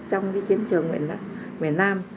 trong cái chiến trường miền nam